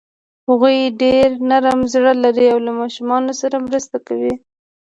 هغوی ډېر نرم زړه لري او له ماشومانو سره مرسته کوي.